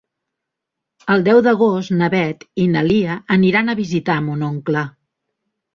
El deu d'agost na Beth i na Lia aniran a visitar mon oncle.